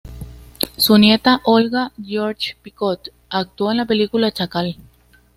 Su nieta Olga Georges-Picot actuó en la película Chacal.